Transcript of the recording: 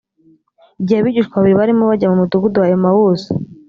igihe abigishwa babiri barimo bajya mu mudugudu wa emawusi